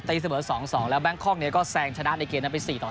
ตัดสินเหมือน๒๒แล้วแม่งคล่องเนี่ยก็แซงชนะในเกมนั้นไป๔๓